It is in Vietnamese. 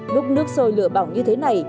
lúc nước sôi lửa bỏng như thế này